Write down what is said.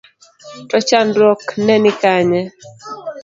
To chandruok ne ni kanye?